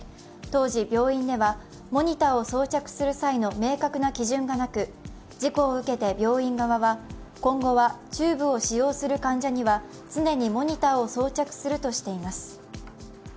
当時、病院ではモニターを装着する際の明確な基準がなく、事故を受けて病院側は今後はチューブを使用する患者には常にモニターを装着するとしています。